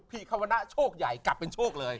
คำวนะโชคใหญ่กลับเป็นโชคเลย